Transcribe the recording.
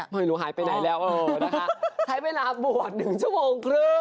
ไม่รู้หายไปไหนแล้วเออนะคะใช้เวลาบวช๑ชั่วโมงครึ่ง